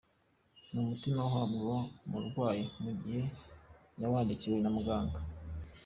Ni umuti uhabwa umurwayi mu gihe yawandikiwe na muganga.